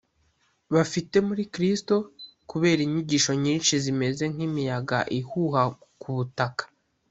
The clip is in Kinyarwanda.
bafite muri Kristo. Kubera inyigisho nyinshi zimeze nk'imiyaga ihuha ku butaka,